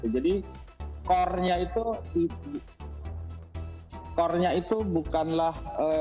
jadi core nya itu bukanlah